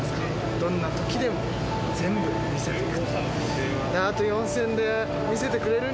どんなときでも全部見せていく。